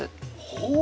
ほう。